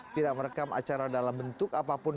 tidak merekam acara dalam bentuk apapun